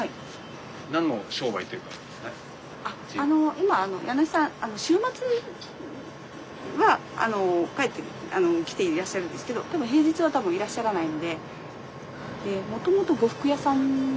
今家主さん週末は帰ってきていらっしゃるんですけど平日は多分いらっしゃらないので呉服屋さん。